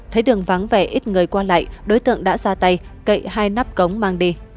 thấy đường vắng vẻ ít người qua lại đối tượng đã ra tay cậy hai nắp cống mang đi